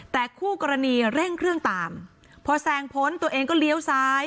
แต่คู่กรณีเร่งเครื่องตามพอแซงพ้นตัวเองก็เลี้ยวซ้าย